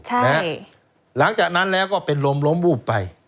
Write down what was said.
หลังจากนั้นแล้วก็เป็นลมร้มวูบ